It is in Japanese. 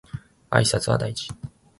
挨拶は大事